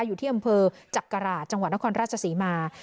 อยู่ที่อำเภอจักราชจังหวัดนครราชศรีมา